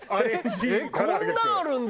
「えっこんなんあるんだ！」